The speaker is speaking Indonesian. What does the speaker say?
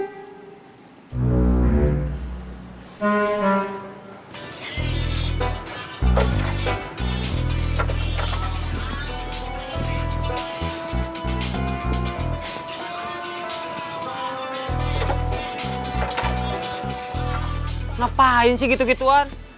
kenapa ini sih gitu gituan